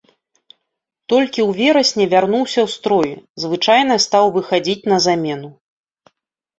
Толькі ў верасні вярнуўся ў строй, звычайна стаў выхадзіць на замену.